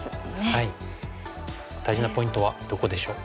大事なポイントはどこでしょう？